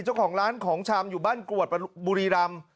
เจ้าของร้านของชำอยู่บ้านกรวดบุรีรำ